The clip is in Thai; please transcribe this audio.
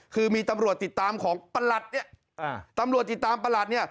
คือมีตำรวจติดตามของประหลัดเนี่ยตำรวจติดตามประหลัดเนี่ย